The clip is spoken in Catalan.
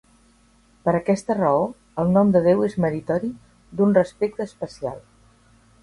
Per aquesta raó, el nom de Déu és meritori d'un respecte especial.